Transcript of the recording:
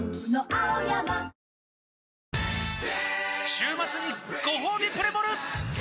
週末にごほうびプレモル！